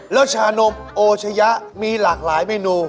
แล้วชานมโอชะยะมีหลากหลายเมนู